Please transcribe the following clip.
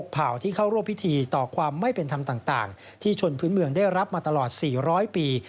เผ่าที่เข้าร่วมพิธีต่อความไม่เป็นธรรมต่างที่ชนพื้นเมืองได้รับมาตลอด๔๐๐ปี